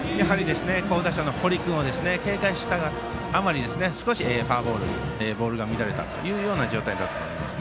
好打者の堀君を警戒したあまり少しフォアボールボールが乱れた状態だったと思います。